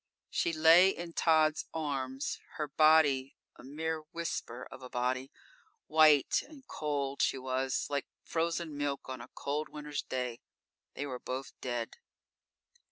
She lay in Tod's arms, her body a mere whisper of a body. White and cold she was, like frozen milk on a cold winter's day. They were both dead.